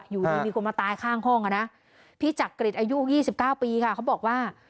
อยู่ดีมีคนมาตายข้างห้องอ่ะนะพี่จักริจอายุ๒๙ปีค่ะเขาบอกว่า